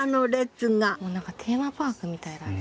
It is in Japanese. もう何かテーマパークみたいだね。